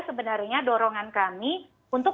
sebenarnya dorongan kami untuk